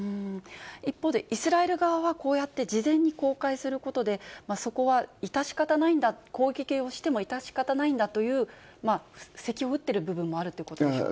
一方でイスラエル側は、こうやって事前に公開することで、そこは致し方ないんだ、攻撃をしても致し方ないんだという、布石を打っている部分もあるということでしょうか。